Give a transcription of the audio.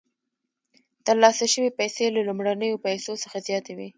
ترلاسه شوې پیسې له لومړنیو پیسو څخه زیاتې وي